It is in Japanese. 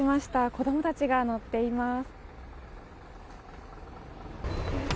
子供たちが乗っています。